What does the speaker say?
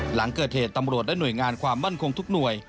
หลังเกิดเหตุตำรวจและหน่วยงานความมั่นคงทุกหน่วย